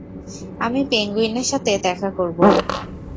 আমি পেঙ্গুইনের সাথে দেখা করব।